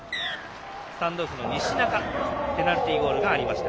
スタンドオフの西仲のペナルティーゴールがありました。